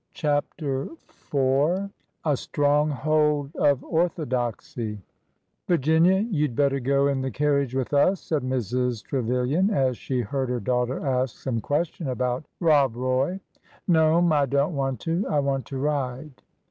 CHAPTER IV A STRONGHOLD OF ORTHODOXY V IRGINIA, you M better go in the carriage with us," said Mrs. Trevilian, as she heard her daughter ask some question about Rob Roy. " No'm, I don't want to. I want to ride."